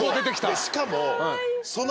しかも。